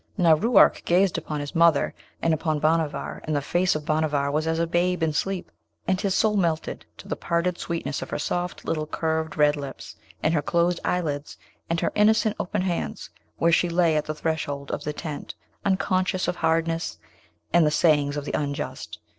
Now, Ruark gazed upon his mother, and upon Bhanavar, and the face of Bhanavar was as a babe in sleep, and his soul melted to the parted sweetness of her soft little curved red lips and her closed eyelids, and her innocent open hands, where she lay at the threshold of the tent, unconscious of hardness and the sayings of the unjust.